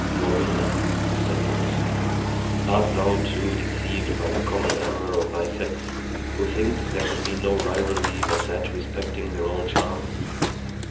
"Rowena," said De Bracy, "art thou, too, deceived by the common error of thy sex, who think there can be no rivalry but that respecting their own charms?